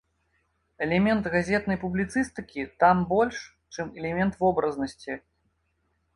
Элемент газетнай публіцыстыкі там больш, чым элемент вобразнасці.